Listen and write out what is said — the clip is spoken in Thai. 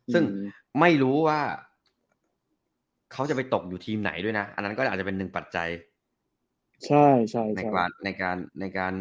ซึ่งไม่รู้ว่าเขาจะไปตกอยู่ทีมไหนด้วยนะอันนั้นก็อาจจะเป็นหนึ่งปัจจัย